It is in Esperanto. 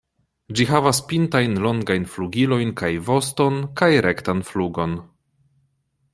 Ĝi havas pintajn longajn flugilojn kaj voston kaj rektan flugon.